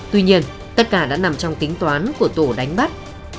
tuy nhiên tất cả đã nằm trong tính toán của tổ đánh bắt